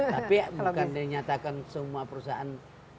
tapi bukan dinyatakan semua perusahaan